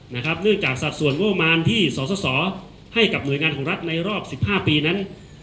เนื่องจากสัดส่วนงบประมาณที่สสให้กับหน่วยงานของรัฐในรอบ๑๕ปีนั้น